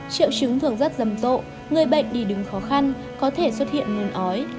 triệu trứng thường rất râm rộ người bệnh đi đứng khó khăn có thể xuất hiện nguồn ói